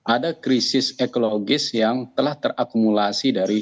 ada krisis ekologis yang telah terakumulasi dari